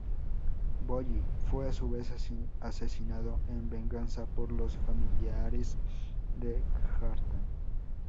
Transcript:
Bolli fue a su vez asesinado en venganza por los familiares de Kjartan.